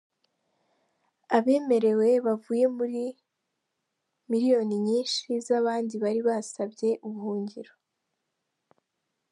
Abemerewe bavuye muri miliyoni nyinshi z'abandi bari basabye ubuhungiro.